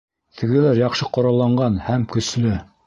Тегеләр яҡшы ҡоралланған һәм көслө.